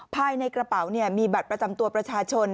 ภายในกระเป๋ามีบัตรประจำตัวประชาชน